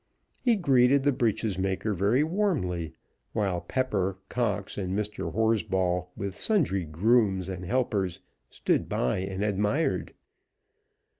He greeted the breeches maker very warmly, while Pepper, Cox, and Mr. Horsball, with sundry grooms and helpers, stood by and admired.